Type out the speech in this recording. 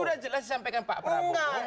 sudah jelas disampaikan pak prabowo